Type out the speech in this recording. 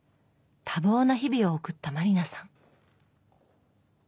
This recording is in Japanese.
多忙な日々を送った満里奈さん